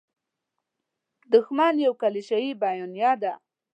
دوښمن یوه کلیشیي بیانیه ده.